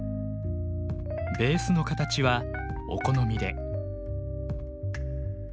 ベースの形はお好みで。